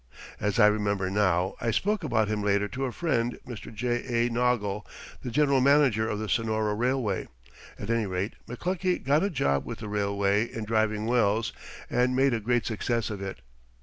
As I remember now, I spoke about him later to a friend, Mr. J.A. Naugle, the general manager of the Sonora Railway. At any rate, McLuckie got a job with the railway at driving wells, and made a great success of it.